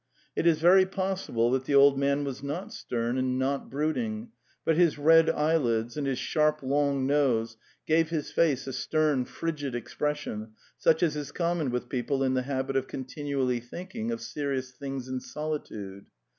It is very possible that the old man was not stern and not brooding, but his red eyelids and his sharp long nose gave his face a stern frigid expression such as is common with people in the habit of continually thinking of serious things in solitude.